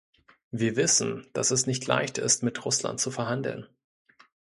Wir wissen, dass es ist nicht leicht ist, mit Russland zu verhandeln.